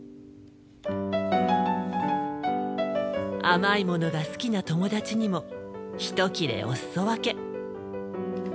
甘いものが好きな友達にもひと切れおすそ分け。